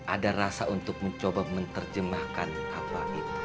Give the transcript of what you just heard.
ada rasa untuk mencoba menerjemahkan apa itu